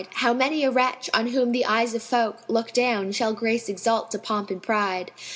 How many a wretch, on whom the eyes of folk * Look down, shall grace exalt to pomp and pride!